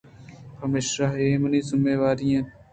پمیشا اے منی ذمہ داری بیت